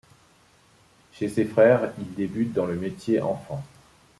Comme ses frères, il débute dans le métier enfant.